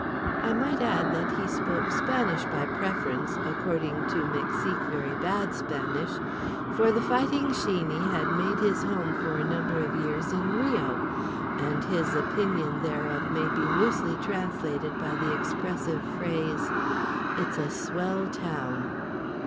I might add that he spoke Spanish by preference (according to Mexique very bad Spanish); for The Fighting Sheeney had made his home for a number of years in Rio, and his opinion thereof may be loosely translated by the expressive phrase, "it's a swell town."